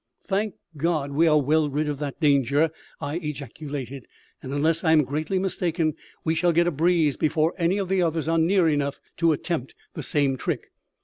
"Thank God, we are well rid of that danger!" I ejaculated; "and, unless I am greatly mistaken, we shall get a breeze before any of the others are near enough to attempt the same trick."